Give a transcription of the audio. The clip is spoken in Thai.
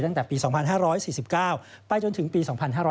ตั้งแต่ปี๒๕๔๙ไปจนถึงปี๒๕๕๙